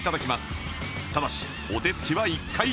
ただしお手つきは一回休み